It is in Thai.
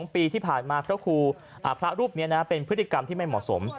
๒ปีที่ผ่านมาพระครูพระรูปนี้เป็นพฤติกรรมที่ไม่เหมาะสม